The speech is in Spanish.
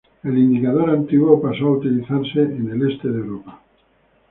El indicador antiguo pasó a utilizarse en el este de Europa.